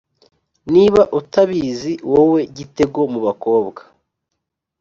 Niba utabizi, wowe gitego mu bakobwa,